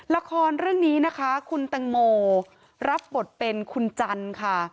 ละครเรื่องนี้นะคะคุณแตงโมรับบทเป็นคุณจันทร์ค่ะ